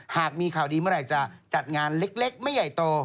หากมีข่าวดีเมื่อไหร่จะจัดงานเล็กไม่ใหญ่โต